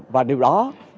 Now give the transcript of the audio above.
và điều đó